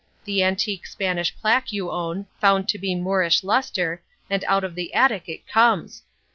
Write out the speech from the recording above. The antique Spanish plaque you own, found to be Moorish lustre, and out of the attic it comes!